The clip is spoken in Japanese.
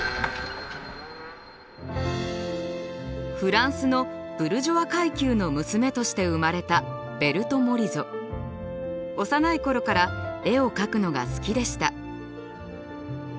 フランスのブルジョワ階級の娘として生まれた幼い頃から絵を描くのが好きでした。